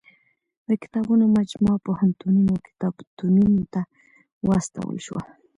د کتابونو مجموعه پوهنتونونو او کتابتونو ته واستول شوه.